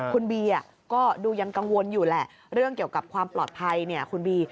คุณบีก็ดูยังกังวลอยู่แหละเรื่องเกี่ยวกับความปลอดภัยเนี่ยคุณบี